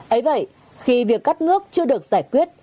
ấy vậy khi việc cắt nước chưa được giải quyết